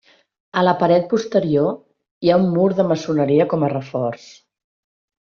A la paret posterior hi ha un mur de maçoneria com a reforç.